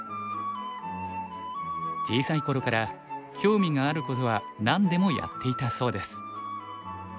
小さい頃から興味があることは何でもやっていたそうです。